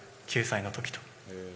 ９歳のときと。